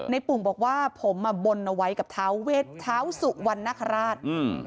ในปุ่งบอกว่าผมบนเอาไว้กับเท้าเวชเท้าสุกวันนครราช